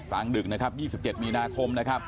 ล้างดึก๒๗มีนาคม